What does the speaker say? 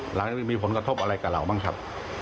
หลังจากมีผลกระทบอะไรกับเราบ้างครับ